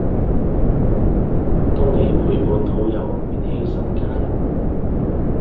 當你陪伴好友便犧牲家人